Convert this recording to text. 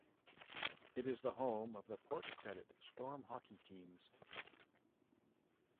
It is the home of the Port Credit Storm hockey teams.